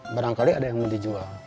barangkali ada yang mau dijual